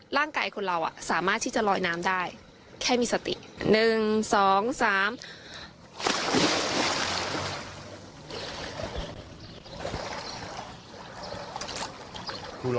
ร่างกายของเราอ่ะสามารถที่จะลอยน้ำได้แค่มีสติหนึ่งสองสาม